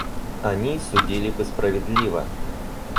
Они судили бы справедливо.